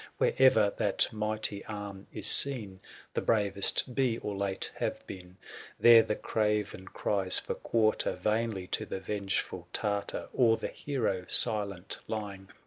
Where'er that mighty arm is seen, The bravest be, or late have been; There the craven cries for quarter Vainly to the vengeful Tartar ; 795 Or the hero, silent lying.